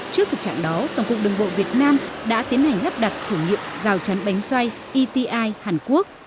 trước thực trạng đó tổng cục đường bộ việt nam đã tiến hành lắp đặt thử nghiệm rào chắn bánh xoay eti hàn quốc